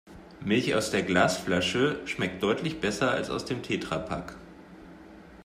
Milch aus der Glasflasche schmeckt deutlich besser als aus dem Tetrapack.